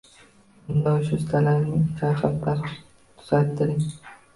— Unda, o‘sha ustalaringizni chaqirib, darhol tuzattiring!